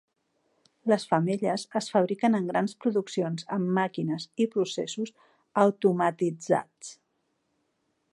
Les femelles es fabriquen en grans produccions amb màquines i processos automatitzats.